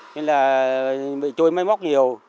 nên là bị trôi máy móc nhiều